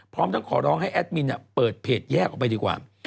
พร้อมทั้งขอร้องให้แอดมินเปิดเพจแยกออกไปดีกว่า